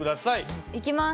いきます。